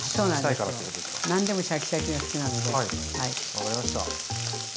分かりました。